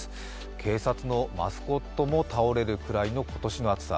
警察のマスコットも倒れるくらいの今年の暑さ